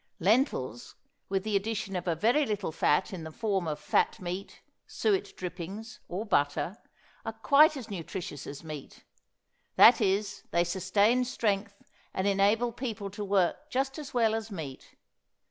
Lentils, with the addition of a very little fat in the form of fat meat, suet drippings or butter, are quite as nutritious as meat; that is, they sustain strength, and enable people to work just as well as meat.